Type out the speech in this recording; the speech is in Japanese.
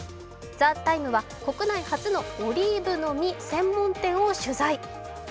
「ＴＨＥＴＩＭＥ，」は国内初のオリーブの実専門店を取材。